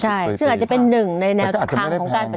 ใช่ที่มายจะเป็นหนึ่งในข้างของแก้นปฏิบัติ